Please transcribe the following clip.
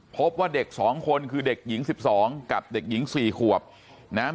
พบว่าเด็ก๒คนคือเด็กหญิง๑๒กับเด็กหญิง๔ขวบนะครับ